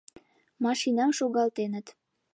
— Машинам шогалтеныт.